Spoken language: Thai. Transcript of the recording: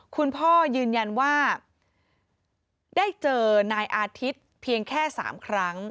คุณพ่อยืนยันว่าได้เจอนายอาทิตย์เพียงแค่๓ครั้ง